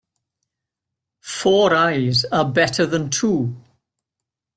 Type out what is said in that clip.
Four eyes are better than two.